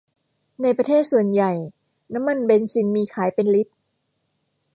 ในประเทศส่วนใหญ่น้ำมันเบนซินมีขายเป็นลิตร